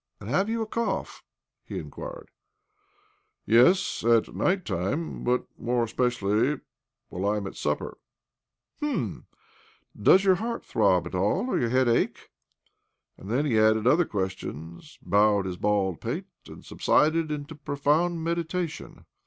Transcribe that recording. "And have you a cough?" he in quired . "Yes— at night time, but more especially while I am at supper." " Hm I And does your heart throb' at all, or your head ache? " He then added other questions, bowed his bald pate, and sub sided into profound meditation.